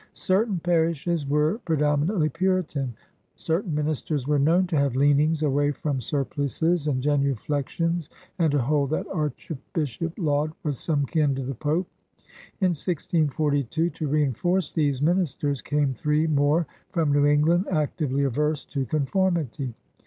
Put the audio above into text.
Certain parishes were pre dominantly Puritan; certain ministers were known to have leanings away from surplices and genu flections and to hold that Archbishop Laud was some kin to the Pope. In 1642, to reinforce these ministers, came three more from New England, actively averse to conformity.